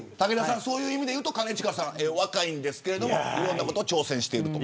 そういう意味でいうと兼近さん若いですがいろんなことに挑戦していると。